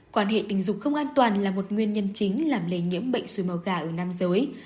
quan hệ tình dục không an toàn là một nguyên nhân chính làm lây nhiễm bệnh xui màu gà ở nam giới